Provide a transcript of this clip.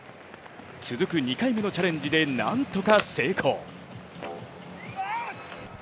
続く２回目のチャレンジで何とか成功。